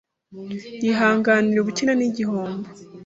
Yihanganira ubukene n’igihombo;